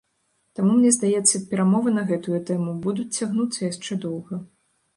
Таму, мне здаецца, перамовы на гэтую тэму будуць цягнуцца яшчэ доўга.